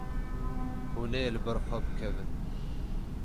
Hûn ê li ber xwe bikevin.